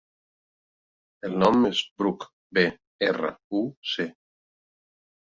El nom és Bruc: be, erra, u, ce.